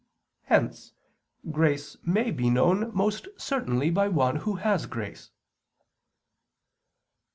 Hence grace may be known most certainly by one who has grace.